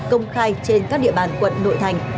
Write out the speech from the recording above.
công khai trên các địa bàn quận nội thành